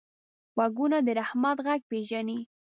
غوږونه د رحمت غږ پېژني